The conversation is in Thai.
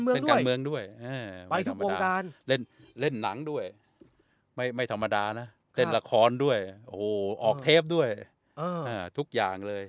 เล่นการเมืองด้วยไม่ธรรมดาเล่นหนังด้วยไม่ธรรมดานะเล่นละครด้วยโอ้โหออกเทปด้วยทุกอย่างเลย